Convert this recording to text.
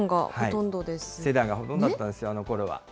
セダンがほとんどだったんですよ、あのころは。